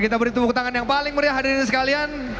kita beri tepuk tangan yang paling meriah hadirin sekalian